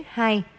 tây ninh tám